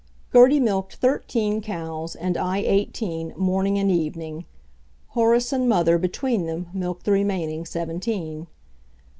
Gertie milked thirteen cows, and I eighteen, morning and evening. Horace and mother, between them, milked the remaining seventeen.